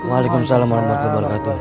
waalaikumsalam warahmatullahi wabarakatuh